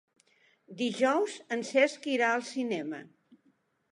Dijous en Cesc irà al cinema.